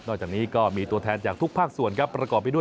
จากนี้ก็มีตัวแทนจากทุกภาคส่วนครับประกอบไปด้วย